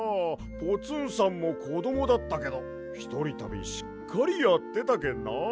ポツンさんもこどもだったけどひとりたびしっかりやってたけんなあ。